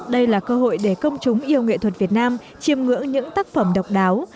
đây là cơ hội để công chúng yêu nghệ thuật việt nam chiêm ngưỡng những tác phẩm độc đáo